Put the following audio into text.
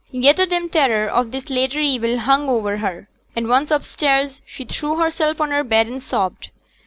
Yet a dim terror of this latter evil hung over her, and once upstairs she threw herself on her bed and sobbed.